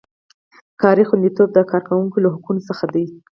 کاري خوندیتوب د کارکوونکي له حقونو څخه دی.